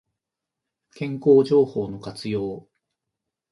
健康情報の活用